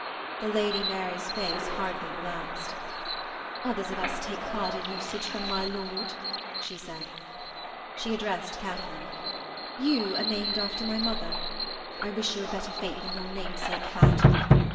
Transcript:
The Lady Mary's face hardly relaxed: 'Others of us take harder usage from my lord,' she said. She addressed Katharine: 'You are named after my mother. I wish you a better fate than your namesake had.'